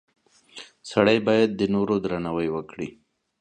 • سړی باید د نورو درناوی وکړي.